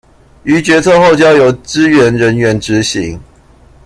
於決策後交由支援人員執行